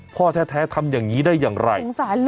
พ่อแท้ทำอย่างนี้ได้อย่างไร